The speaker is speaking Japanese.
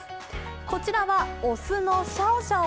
こちらは雄のシャオシャオ。